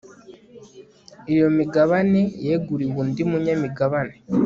iyo migabane yegurirwe undi munyamigabane